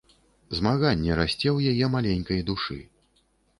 Змаганне расце ў яе маленькай душы.